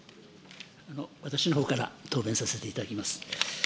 私のほうから答弁させていただきます。